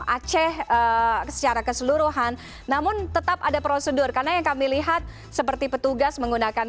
aceh secara keseluruhan namun tetap ada prosedur karena yang kami lihat seperti petugas menggunakan